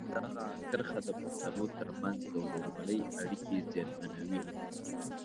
دغه کرښه د پښتنو ترمنځ د ورورولۍ اړیکې زیانمنوي.